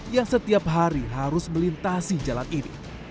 yang setiap hari harus melintasi jalan ini